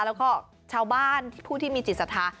แล้วก็ชาวบ้านผู้ที่มีจิตศรัทธา